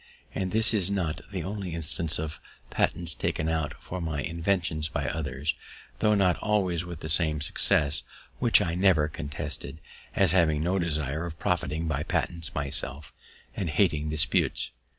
And this is not the only instance of patents taken out for my inventions by others, tho' not always with the same success, which I never contested, as having no desire of profiting by patents myself, and hating disputes.